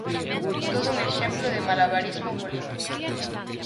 Todo un exemplo de malabarismo político.